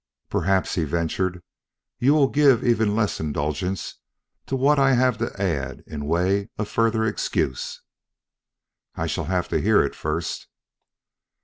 "Perhaps," he ventured, "you will give even less indulgence to what I have to add in way of further excuse." "I shall have to hear it first."